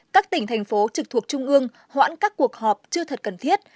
các tỉnh thành phố trực thuộc trung ương hoãn các cuộc họp chưa thật cần thiết